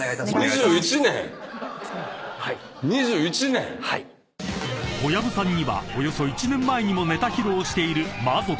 ２１年⁉［小籔さんにはおよそ１年前にもネタ披露をしている魔族］